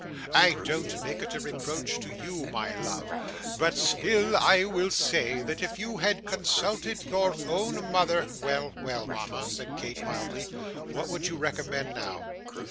I don't make it a reproach to you, my love; but still I will say, that if you had consulted your own mother ' 'Well, well, mama,' said Kate, mildly: 'what would you recommend now?